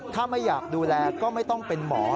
ถ้าไม่อยากดูแลก็ไม่ต้องเป็นหมอ